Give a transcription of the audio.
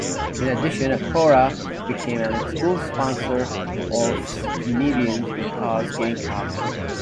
In addition, Acura became an exclusive sponsor of Comedians in Cars Getting Coffee.